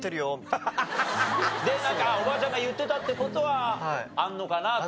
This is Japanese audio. なんかおばあちゃんが言ってたって事はあるのかなと。